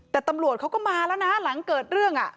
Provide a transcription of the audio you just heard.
แต่ตำรวจเขาก็มาแล้วนะหลังเกิดเรื่อง